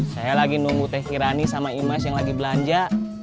saya lagi nunggu teh irani sama imes yang lagi belanja